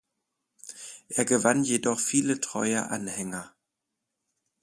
Er gewann jedoch viele treue Anhänger.